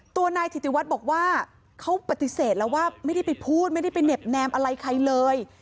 ตัวนายถิติวัฒน์บอกว่าเขาปฏิเสธแล้วว่าไม่ได้ไปพูดไม่ได้ไปเหน็บแนมอะไรใครเลย